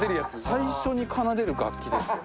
最初に奏でる楽器ですよ。